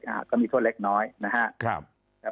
มีก็มีทดเล็กน้อยนะฮะ